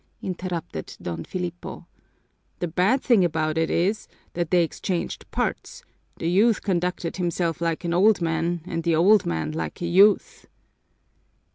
interrupted Don Filipo. "The bad thing about it is that they exchanged parts the youth conducted himself like an old man and the old man like a youth."